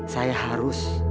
saya harus menolong pak sobari